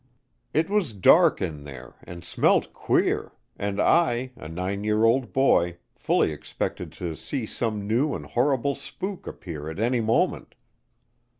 It was dark in there and smelt queer, and I, a nine year old boy, fully expected to see some new and horrible spook appear at any moment.